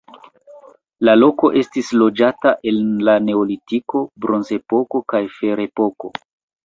La loko estis loĝata en la neolitiko, bronzepoko kaj ferepoko.